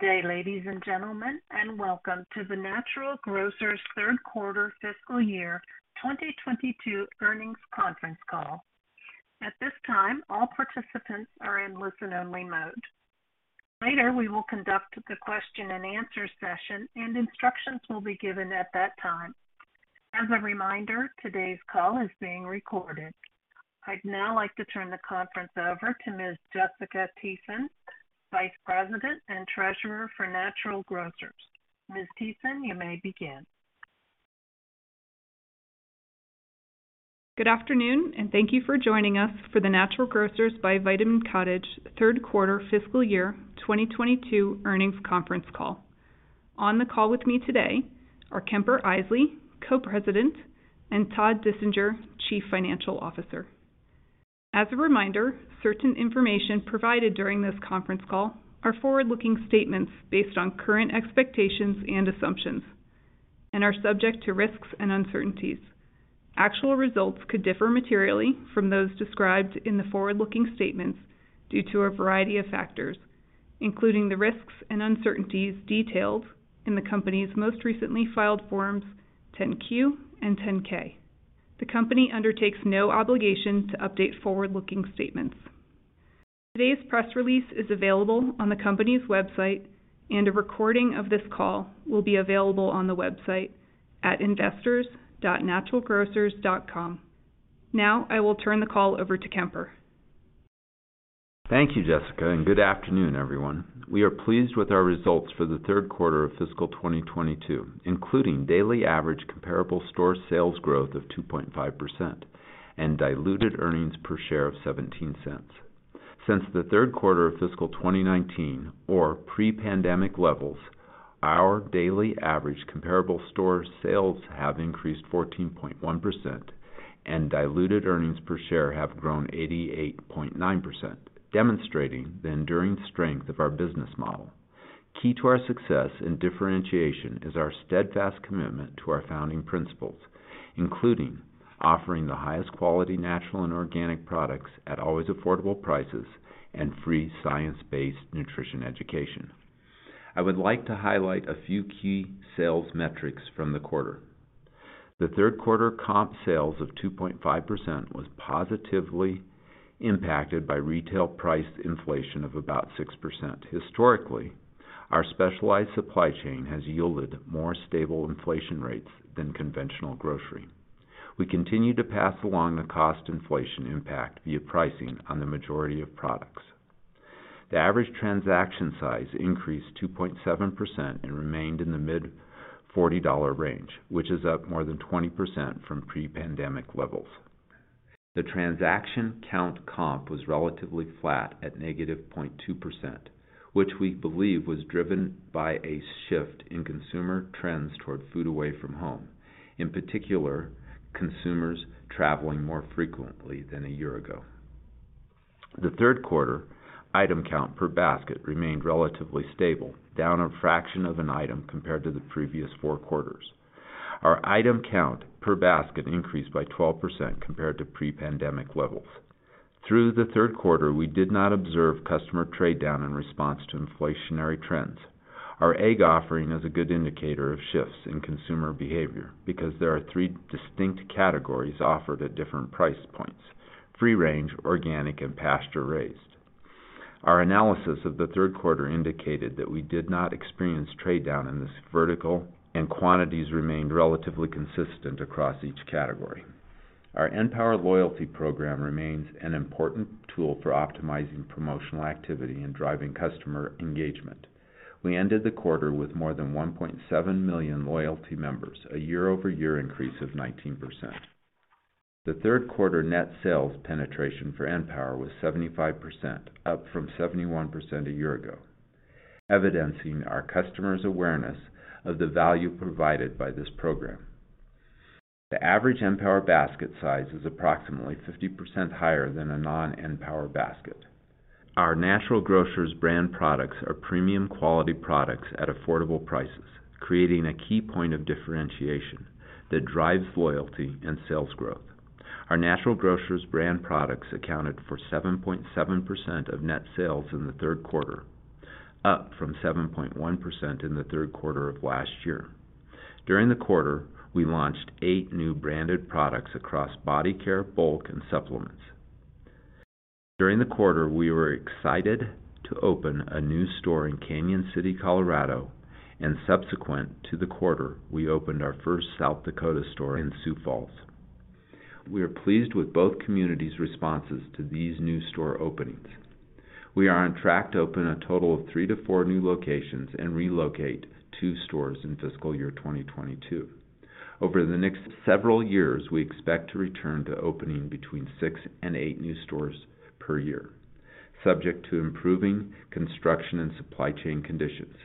Good day ladies and gentlemen, and welcome to the Natural Grocers third quarter fiscal year 2022 earnings conference call. At this time, all participants are in listen only mode. Later, we will conduct the question and answer session and instructions will be given at that time. As a reminder, today's call is being recorded. I'd now like to turn the conference over to Ms. Jessica Thiessen, Vice President and Treasurer for Natural Grocers. Ms. Thiessen you may begin. Good afternoon, and thank you for joining us for the Natural Grocers by Vitamin Cottage third quarter fiscal year 2022 earnings conference call. On the call with me today are Kemper Isely, Co-President, and Todd Dissinger, Chief Financial Officer. As a reminder, certain information provided during this conference call are forward-looking statements based on current expectations and assumptions and are subject to risks and uncertainties. Actual results could differ materially from those described in the forward-looking statements due to a variety of factors, including the risks and uncertainties detailed in the company's most recently filed Forms 10-Q and 10-K. The company undertakes no obligation to update forward-looking statements. Today's press release is available on the company's website, and a recording of this call will be available on the website at investors.naturalgrocers.com. Now I will turn the call over to Kemper. Thank you, Jessica, and good afternoon, everyone. We are pleased with our results for the third quarter of fiscal 2022, including daily average comparable store sales growth of 2.5% and diluted earnings per share of $0.17. Since the third quarter of fiscal 2019 or pre-pandemic levels, our daily average comparable store sales have increased 14.1% and diluted earnings per share have grown 88.9%, demonstrating the enduring strength of our business model. Key to our success and differentiation is our steadfast commitment to our founding principles, including offering the highest quality natural and organic products at always affordable prices and free science-based nutrition education. I would like to highlight a few key sales metrics from the quarter. The third quarter comp sales of 2.5% was positively impacted by retail price inflation of about 6%. Historically, our specialized supply chain has yielded more stable inflation rates than conventional grocery. We continue to pass along the cost inflation impact via pricing on the majority of products. The average transaction size increased 2.7% and remained in the mid $40 range, which is up more than 20% from pre-pandemic levels. The transaction count comp was relatively flat at -0.2%, which we believe was driven by a shift in consumer trends toward food away from home, in particular, consumers traveling more frequently than a year ago. The third quarter item count per basket remained relatively stable, down a fraction of an item compared to the previous four quarters. Our item count per basket increased by 12% compared to pre-pandemic levels. Through the third quarter, we did not observe customer trade down in response to inflationary trends. Our egg offering is a good indicator of shifts in consumer behavior because there are three distinct categories offered at different price points, free-range, organic, and pasture-raised. Our analysis of the third quarter indicated that we did not experience trade down in this vertical and quantities remained relatively consistent across each category. Our {N}power Loyalty program remains an important tool for optimizing promotional activity and driving customer engagement. We ended the quarter with more than 1.7 million loyalty members, a year-over-year increase of 19%. The third quarter net sales penetration for {N}power was 75%, up from 71% a year ago, evidencing our customers' awareness of the value provided by this program. The average {N}power basket size is approximately 50% higher than a non-{N}power basket. Our Natural Grocers Brand products are premium quality products at affordable prices, creating a key point of differentiation that drives loyalty and sales growth. Our Natural Grocers Brand products accounted for 7.7% of net sales in the third quarter, up from 7.1% in the third quarter of last year. During the quarter, we launched eight new branded products across body care, bulk, and supplements. During the quarter, we were excited to open a new store in Cañon City, Colorado, and subsequent to the quarter, we opened our first South Dakota store in Sioux Falls. We are pleased with both communities' responses to these new store openings. We are on track to open a total of three-four new locations and relocate two stores in fiscal year 2022. Over the next several years, we expect to return to opening between six and eight new stores per year, subject to improving construction and supply chain conditions.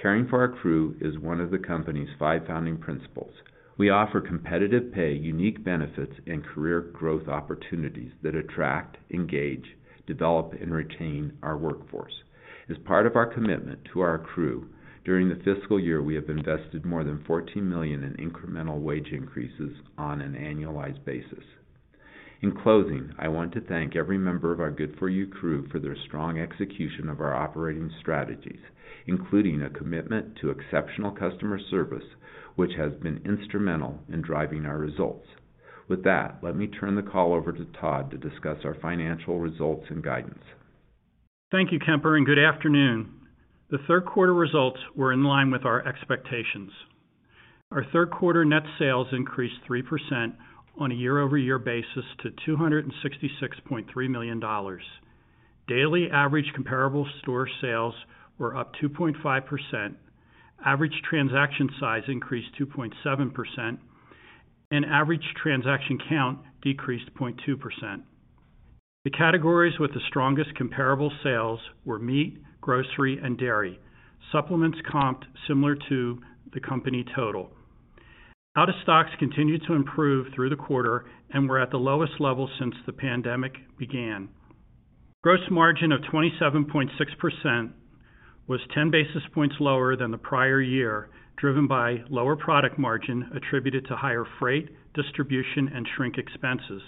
Caring for our crew is one of the company's five founding principles. We offer competitive pay, unique benefits, and career growth opportunities that attract, engage, develop, and retain our workforce. As part of our commitment to our crew during the fiscal year, we have invested more than $14 million in incremental wage increases on an annualized basis. In closing, I want to thank every member of our Good For You Crew for their strong execution of our operating strategies, including a commitment to exceptional customer service, which has been instrumental in driving our results. With that, let me turn the call over to Todd, to discuss our financial results and guidance. Thank you, Kemper, and good afternoon. The third quarter results were in line with our expectations. Our third quarter net sales increased 3% on a year-over-year basis to $266.3 million. Daily average comparable store sales were up 2.5%. Average transaction size increased 2.7%, and average transaction count decreased 0.2%. The categories with the strongest comparable sales were meat, grocery and dairy. Supplements comped similar to the company total. Out of stocks continued to improve through the quarter and were at the lowest level since the pandemic began. Gross margin of 27.6% was 10 basis points lower than the prior year, driven by lower product margin attributed to higher freight, distribution, and shrink expenses,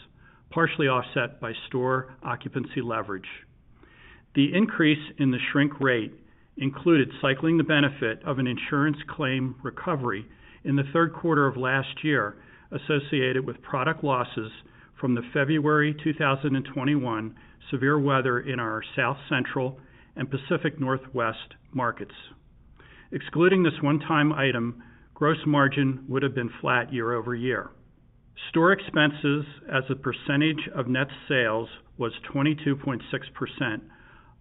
partially offset by store occupancy leverage. The increase in the shrink rate included cycling the benefit of an insurance claim recovery in the third quarter of last year associated with product losses from the February 2021 severe weather in our South Central and Pacific Northwest markets. Excluding this one-time item, gross margin would have been flat year-over-year. Store expenses as a percentage of net sales was 22.6%,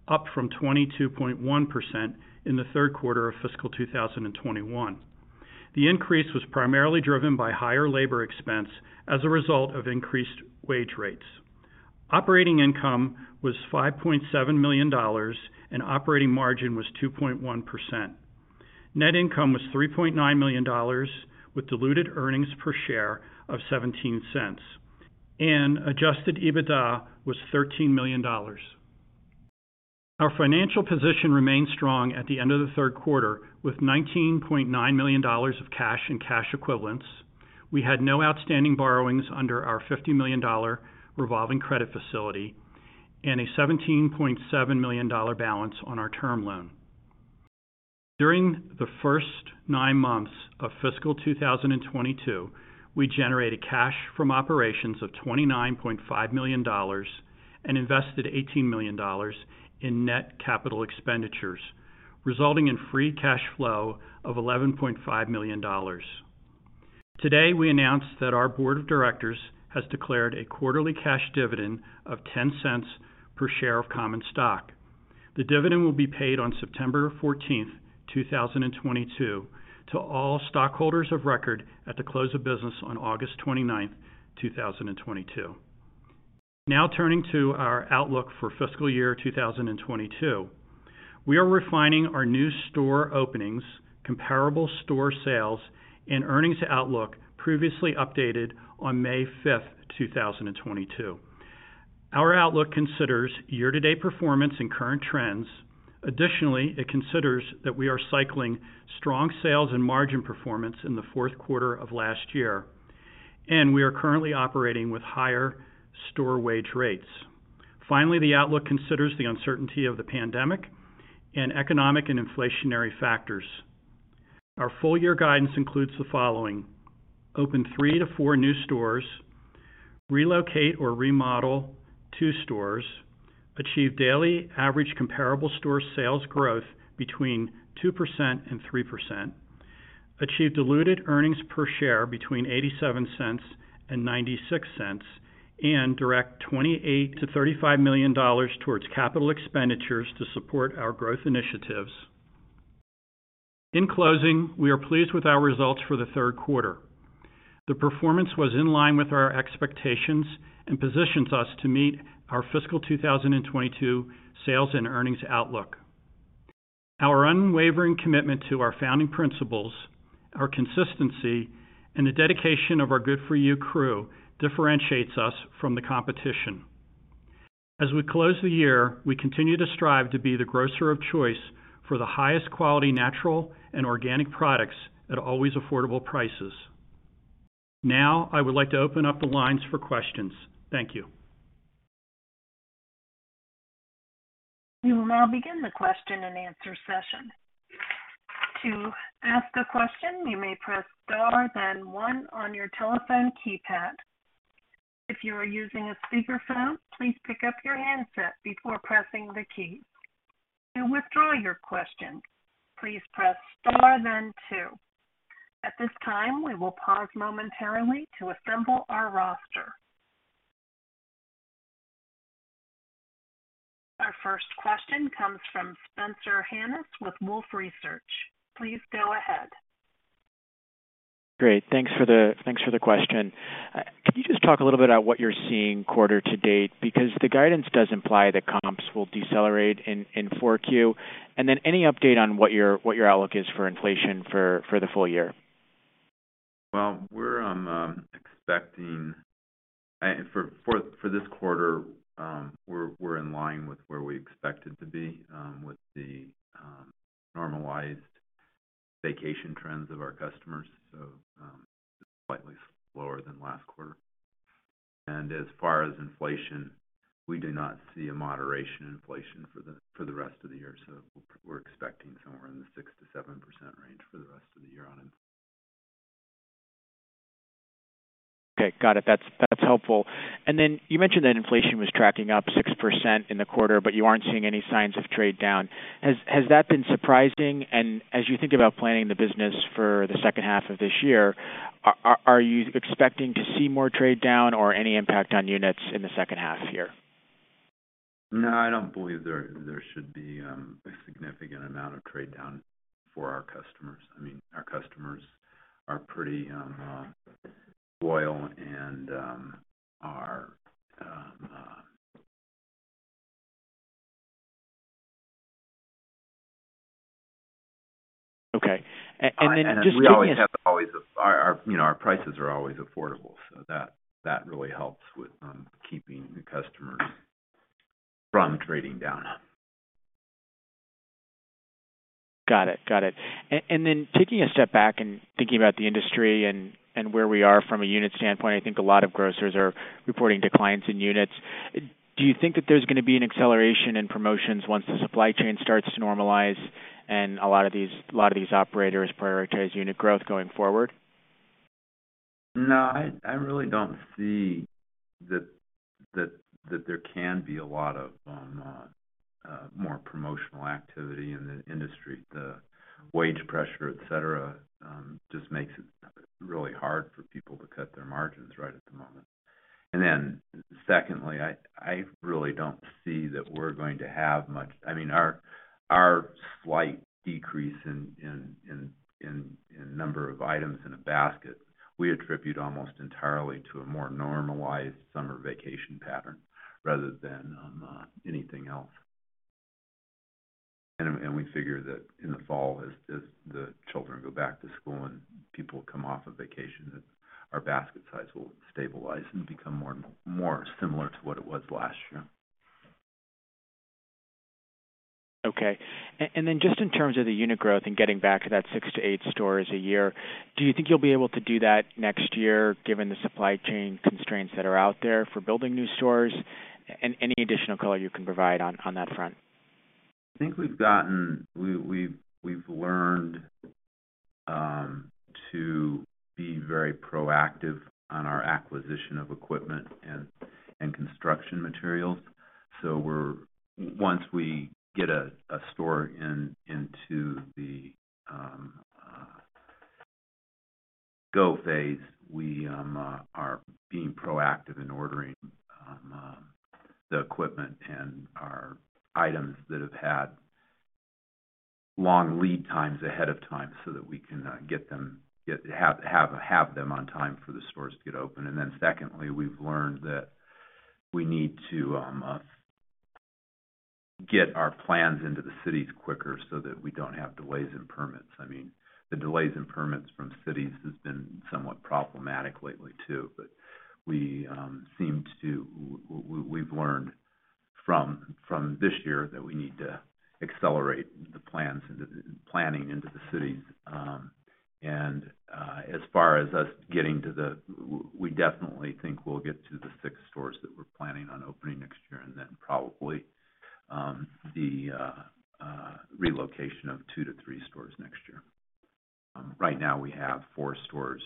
up from 22.1% in the third quarter of fiscal 2021. The increase was primarily driven by higher labor expense as a result of increased wage rates. Operating income was $5.7 million, and operating margin was 2.1%. Net income was $3.9 million, with diluted earnings per share of $0.17. Adjusted EBITDA was $13 million. Our financial position remained strong at the end of the third quarter, with $19.9 million of cash and cash equivalents. We had no outstanding borrowings under our $50 million revolving credit facility and a $17.7 million balance on our term loan. During the first nine months of fiscal 2022, we generated cash from operations of $29.5 million and invested $18 million in net capital expenditures, resulting in free cash flow of $11.5 million. Today, we announced that our board of directors has declared a quarterly cash dividend of $0.10 per share of common stock. The dividend will be paid on September 14, 2022, to all stockholders of record at the close of business on August 29, 2022. Now turning to our outlook for fiscal year 2022. We are refining our new store openings, comparable store sales and earnings outlook previously updated on May 5, 2022. Our outlook considers year-to-date performance and current trends. Additionally, it considers that we are cycling strong sales and margin performance in the fourth quarter of last year, and we are currently operating with higher store wage rates. Finally, the outlook considers the uncertainty of the pandemic and economic and inflationary factors. Our full year guidance includes the following. Open three-four new stores, relocate or remodel two stores, achieve daily average comparable store sales growth between 2% and 3%, achieve diluted earnings per share between $0.87 and $0.96, and direct $28 million-$35 million toward capital expenditures to support our growth initiatives. In closing, we are pleased with our results for the third quarter. The performance was in line with our expectations and positions us to meet our fiscal 2022 sales and earnings outlook. Our unwavering commitment to our founding principles, our consistency, and the dedication of our Good For You Crew differentiates us from the competition. As we close the year, we continue to strive to be the grocer of choice for the highest quality, natural and organic products at always affordable prices. Now, I would like to open up the lines for questions. Thank you. We will now begin the question and answer session. To ask a question, you may press Star, then one on your telephone keypad. If you are using a speakerphone, please pick up your handset before pressing the key. To withdraw your question, please press Star, then two. At this time, we will pause momentarily to assemble our roster. Our first question comes from Spencer Hanus with Wolfe Research, please go ahead. Great. Thanks for the question. Can you just talk a little bit about what you're seeing quarter to date? Because the guidance does imply that comps will decelerate in 4Q. Then any update on what your outlook is for inflation for the full year? We're expecting for this quarter, we're in line with where we expected to be with the normalized vacation trends of our customers, so slightly slower than last quarter. As far as inflation, we do not see a moderation in inflation for the rest of the year. We're expecting somewhere in the 6%-7% range for the rest of the year on inflation. Okay. Got it. That's helpful. Then you mentioned that inflation was tracking up 6% in the quarter, but you aren't seeing any signs of trade down. Has that been surprising? As you think about planning the business for the second half of this year, are you expecting to see more trade down or any impact on units in the second half here? No, I don't believe there should be a significant amount of trade down for our customers. I mean, our customers are pretty loyal and are. Okay. Just giving us. Our you know our prices are always affordable, so that really helps with keeping the customers from trading down. Got it. Taking a step back and thinking about the industry and where we are from a unit standpoint, I think a lot of grocers are reporting to clients in units. Do you think that there's gonna be an acceleration in promotions once the supply chain starts to normalize and a lot of these operators prioritize unit growth going forward? No, I really don't see that there can be a lot more promotional activity in the industry. The wage pressure, et cetera, just makes it really hard for people to cut their margins right at the moment. Secondly, I really don't see that we're going to have much. I mean, our slight decrease in number of items in a basket, we attribute almost entirely to a more normalized summer vacation pattern rather than anything else. We figure that in the fall, as the children go back to school and people come off of vacation, that our basket size will stabilize and become more similar to what it was last year. Okay. Just in terms of the unit growth and getting back to that six-eight stores a year, do you think you'll be able to do that next year given the supply chain constraints that are out there for building new stores? Any additional color you can provide on that front? I think we've learned to be very proactive on our acquisition of equipment and construction materials. Once we get a store into the go phase, we are being proactive in ordering the equipment and our items that have had long lead times ahead of time so that we can have them on time for the stores to get open. Secondly, we've learned that we need to get our plans into the cities quicker so that we don't have delays in permits. I mean, the delays in permits from cities has been somewhat problematic lately too. We've learned from this year that we need to accelerate the planning into the cities. As far as us getting to the, we definitely think we'll get to the six stores that we're planning on opening next year and then probably the relocation of two-three stores next year. Right now we have four stores.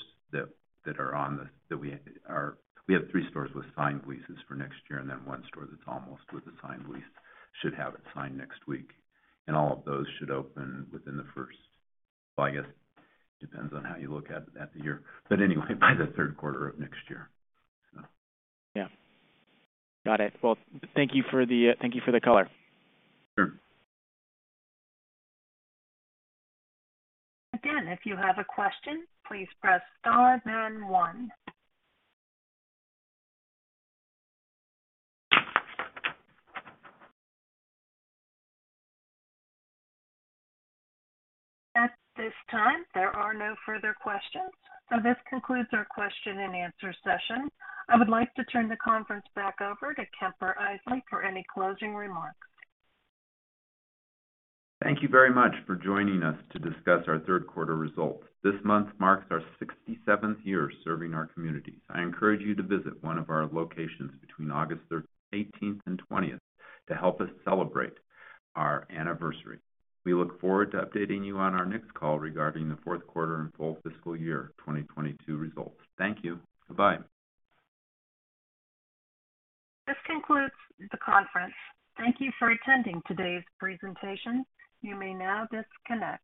We have three stores with signed leases for next year and then 1 store that's almost with a signed lease, should have it signed next week. All of those should open within the first. Well, I guess it depends on how you look at the year. Anyway, by the third quarter of next year. Yeah. Got it. Well, thank you for the color. Sure. Again, if you have a question, please press star then one. At this time, there are no further questions, so this concludes our question and answer session. I would like to turn the conference back over to Kemper Isely for any closing remarks. Thank you very much for joining us to discuss our third quarter results. This month marks our 67th year serving our communities. I encourage you to visit one of our locations between August eighteenth and twentieth to help us celebrate our anniversary. We look forward to updating you on our next call regarding the fourth quarter and full fiscal year 2022 results. Thank you, bye-bye. This concludes the conference. Thank you for attending today's presentation, you may now disconnect.